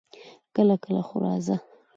کله کله خو راځه!